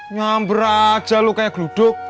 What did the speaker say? nyamber aja lo kayak geluduk